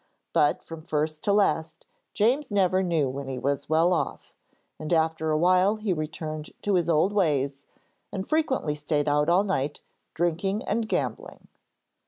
But from first to last James never knew when he was well off, and after a while he returned to his old ways, and frequently stayed out all night, drinking and gambling.